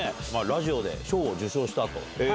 ラジオで賞を受賞したと。